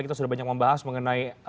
kita sudah banyak membahas mengenai